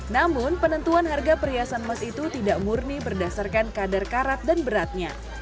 namun penentuan harga perhiasan emas itu tidak murni berdasarkan kadar karat dan beratnya